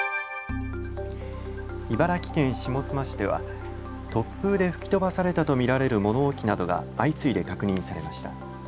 茨城県下妻市では突風で吹き飛ばされたと見られる物置などが相次いで確認されました。